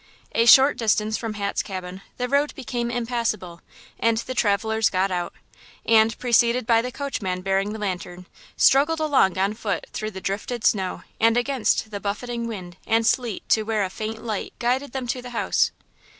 A short distance from Hat's cabin the road became impassable, and the travelers got out, and, preceded by the coachman bearing the lantern, struggled along on foot through the drifted snow and against the buffeting wind and sleet to where a faint light guided them to the house.